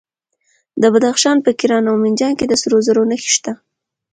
د بدخشان په کران او منجان کې د سرو زرو نښې شته.